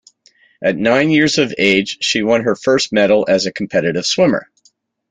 At nine years of age, she won her first medal as a competitive swimmer.